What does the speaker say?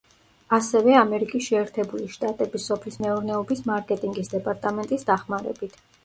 ასევე ამერიკის შეერთებული შტატების სოფლის მეურნეობის მარკეტინგის დეპარტამენტის დახმარებით.